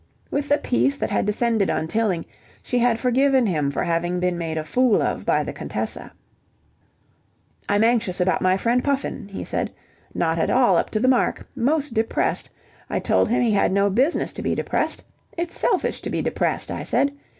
With the peace that had descended on Tilling, she had forgiven him for having been made a fool of by the Contessa. "I'm anxious about my friend Puffin," he said. "Not at all up to the mark. Most depressed. I told him he had no business to be depressed. It's selfish to be depressed, I said.